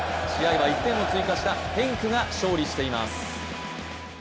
試合は１点を追加したヘンクが勝利しています。